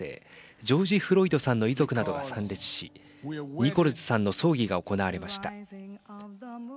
ジョージ・フロイドさんの遺族などが参列しニコルズさんの葬儀が行われました。